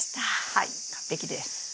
はい完璧です。